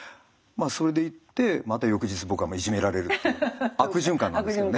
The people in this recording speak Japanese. それでいってまた翌日僕はいじめられるっていう悪循環なんですけどね。